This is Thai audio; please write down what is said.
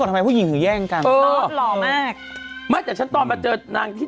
ถ้าสมมติว่าเจอเธอเมื่อก่อนอย่างไร